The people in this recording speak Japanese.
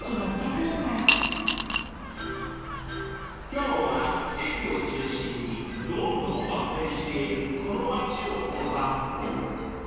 ［今日は駅を中心にどんどん発展しているこの街をお散歩］